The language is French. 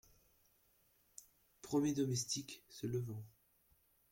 Premier domestique , se levant.